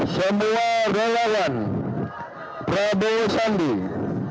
semua melbu molde sanding